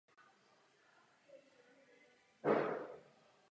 V novozákonní zprávě nejsou další zmínky o jeho osudu.